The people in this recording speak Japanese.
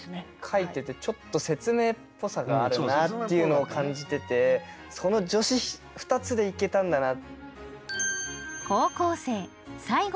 書いててちょっと説明っぽさがあるなっていうのを感じててその助詞２つでいけたんだな。